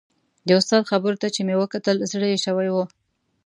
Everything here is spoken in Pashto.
د استاد خبرو ته چې مې وکتل زړه یې شوی و.